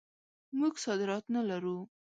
موږ صادرات نه لرو.